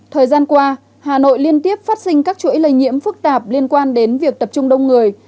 thời gian qua hà nội liên tiếp phát sinh các chuỗi lây nhiễm phức tạp liên quan đến việc tập trung đông người